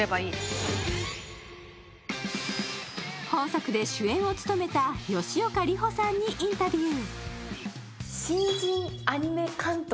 本作で主演を務めた吉岡里帆さんにインタビュー。